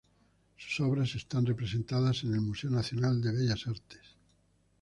Sus obras están representadas en el Museo Nacional de Bellas Artes.